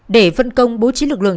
để phân công bố trí lực lượng